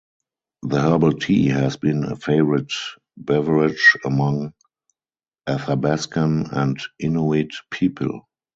The herbal tea has been a favorite beverage among Athabaskan and Inuit people.